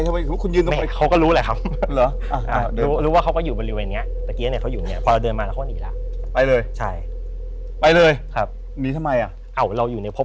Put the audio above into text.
ทำไมคุณยืน